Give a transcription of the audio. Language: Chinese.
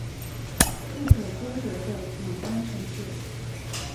不可多得的景观城市